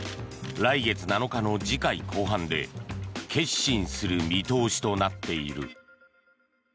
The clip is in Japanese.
来月７日の次回公判で結審する見通しとなっている。